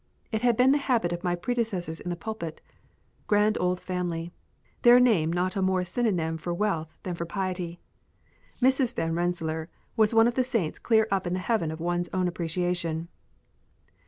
It had been the habit of my predecessors in the pulpit. Grand old family! Their name not more a synonym for wealth than for piety. Mrs. Van Rensselaer was one of the saints clear up in the heaven of one's appreciation.